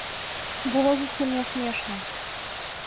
Было зусім не смешна.